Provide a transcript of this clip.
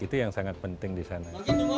itu yang sangat penting di sana